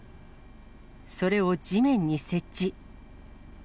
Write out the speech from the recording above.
それを地面に設置。